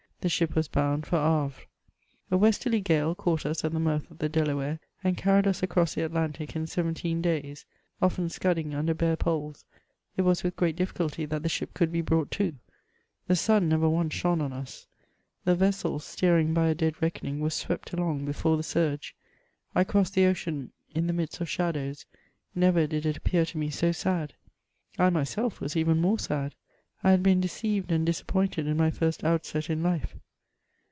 The ship was bound for Havre. A westerly gale caught us at the mouth of the Delaware, and carried us across the Atlantic in seventeen days. Often scudding under bare poles, it was with great difficulty that the ship could be brought to. The sun never once shone on us. The vessel, steering by a dead reckoning, was swept along before the surge. I crossed the ocean in the midst of shadows ; never did it appear to me so sad. I myself was even more sad; I had been deceived and disappointed in my first outset in life.